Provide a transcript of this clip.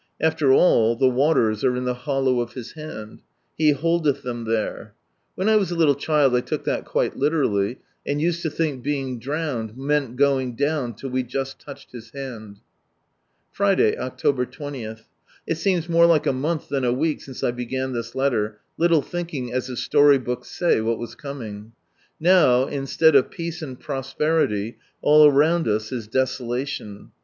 After all the waters are in the hollow of His liand. He " holdeth " them there, When I was a little child I took that quite literally, and used to think being drowned meant going down //// we just touched His hand. Friday, October 20. — It seems more like a month than a week since I began this letter, little thinking, as the story books say, what was coming. Now, instead of peace and prosperity, al! around us is desolation.